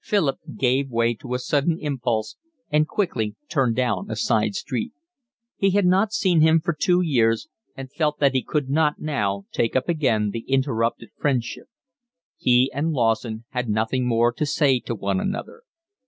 Philip gave way to a sudden impulse and quickly turned down a side street. He had not seen him for two years and felt that he could not now take up again the interrupted friendship. He and Lawson had nothing more to say to one another.